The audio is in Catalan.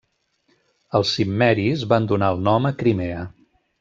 Els cimmeris van donar el nom a Crimea.